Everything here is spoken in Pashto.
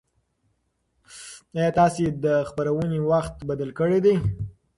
ایا تاسي د خپرونې وخت بدل کړی دی؟